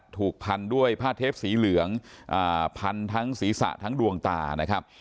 ถูกพันด้วยผ้าเทปสีเหลืองพันทั้งศีรษะทั้งดวงตานะครับ